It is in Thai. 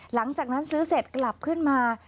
หลังจากนั้นซื้อเสร็จกลับขึ้นมา